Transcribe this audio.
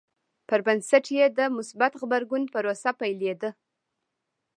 پر بنسټ یې د مثبت غبرګون پروسه پیلېده.